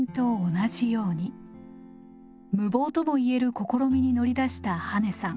無謀とも言える試みに乗り出した羽根さん。